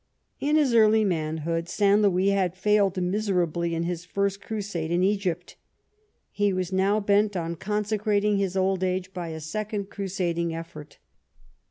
In his early manhood St. Louis had failed miserably in his first Crusade in Egypt. He was now bent on consecrating his old age by a second crusading effort.